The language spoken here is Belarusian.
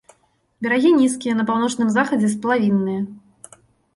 Берагі нізкія, на паўночным захадзе сплавінныя.